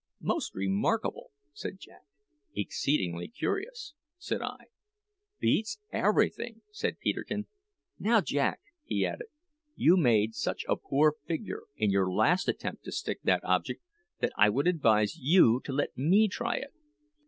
"Most remarkable!" said Jack. "Exceedingly curious!" said I. "Beats everything!" said Peterkin. "Now, Jack," he added, "you made such a poor figure in your last attempt to stick that object that I would advise you to let me try it.